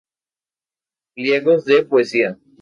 Pliegos de poesía.